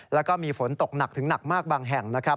แล้วก็มีฝนตกหนักถึงหนักมากบางแห่งนะครับ